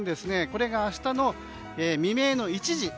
これが明日の未明の１時。